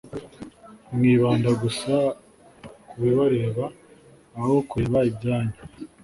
mwibanda gusa ku bibareba aho kureba ibyanyu